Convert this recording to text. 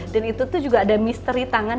dan itu tuh juga ada misteri tangan